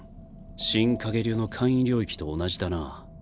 シン・陰流の「簡易領域」と同じだな。